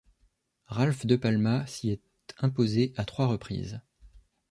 Ralph DePalma s'y est imposé à trois reprises.